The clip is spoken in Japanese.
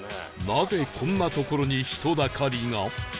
なぜこんな所に人だかりが？